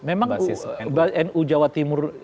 memang nu jawa timur